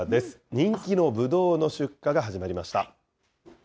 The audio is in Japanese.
人気のぶどうの出荷が始まりました。